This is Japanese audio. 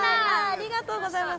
ありがとうございます。